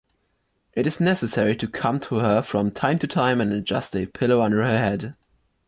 It is necessary to come to her from time to time and adjust a pillow under her head.